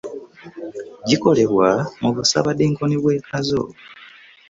Gikolebwa mu Busaabadinkoni bw'e Kazo